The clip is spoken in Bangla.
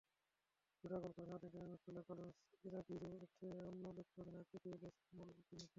জোড়া গোল করেছিলেন আর্জেন্টিনার মিডফিল্ডার কার্লোস ইজাগুইরে, অন্য গোলটি অধিনায়ক অ্যাকুইলেস মলফিনোর।